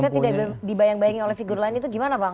tapi tidak dibayang bayangin oleh figur lain itu gimana bang